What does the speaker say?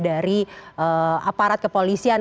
dari aparat kepolisian